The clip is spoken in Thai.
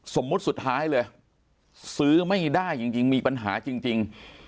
สมมุติสุดท้ายเลยซื้อไม่ได้จริงมีปัญหาจริง